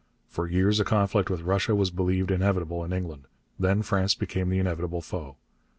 For years a conflict with Russia was believed inevitable in England. Then France became the inevitable foe.